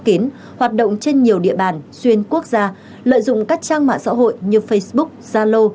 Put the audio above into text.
kín hoạt động trên nhiều địa bàn xuyên quốc gia lợi dụng các trang mạng xã hội như facebook zalo